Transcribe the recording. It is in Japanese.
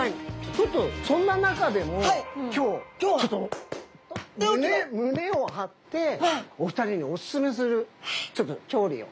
ちょっとそんな中でも今日ちょっと胸胸を張ってお二人におすすめするちょっと調理を。